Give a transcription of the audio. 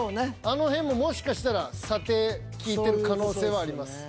あの辺ももしかしたら査定効いてる可能性はあります。